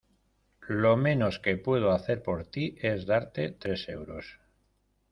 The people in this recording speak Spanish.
Lo menos que puedo hacer por ti es darte tres euros.